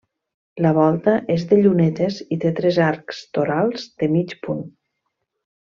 La volta és de llunetes i té tres arcs torals de mig punt.